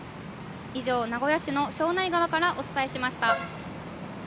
以上、名古屋市の庄内川からお伝えしました。